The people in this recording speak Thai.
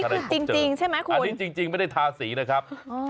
อันนี้จริงใช่ไหมคุณอันนี้จริงไม่ได้ทาสีนะครับ